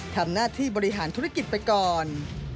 ทำหน้าที่บริหารธุรกิจไปก่อน